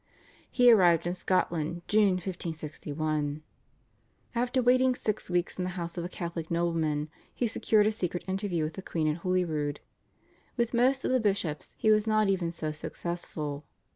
He arrived in Scotland (June 1561). After waiting six weeks in the house of a Catholic nobleman he secured a secret interview with the queen at Holyrood. With most of the bishops he was not even so successful.